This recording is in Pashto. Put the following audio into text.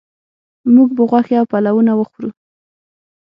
موږ به غوښې او پلونه وخورو